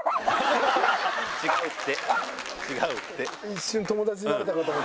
違うって。